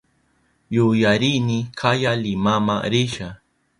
Yuyarini kaya Limama risha.